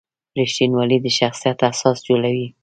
رښتینولي د شخصیت اساس جوړوي.